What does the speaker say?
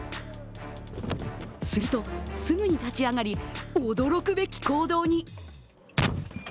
すると、すぐに立ち上がり、驚くべき行動に。